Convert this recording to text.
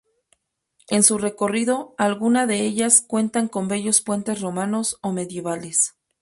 En su recorrido alguna de ellas cuentan con bellos puentes romanos o medievales.